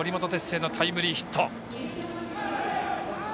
星のタイムリーヒット。